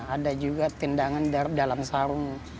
ada juga tendangan dari dalam sarung